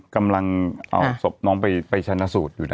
กำลังเอาศพน้องไปชนสูตรอยู่ด้านนั้น